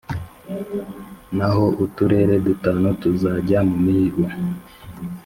naho uturere dutanu tuzajya mumihigo